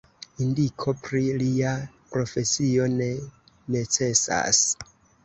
Indiko pri lia profesio ne necesas.